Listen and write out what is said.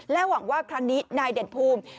หวังว่าครั้งนี้นายเด่นภูมิ